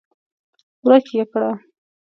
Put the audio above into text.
ورک يې کړه!